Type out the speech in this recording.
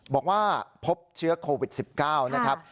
บอกว่าพบเชื้อโควิด๑๙นะครับ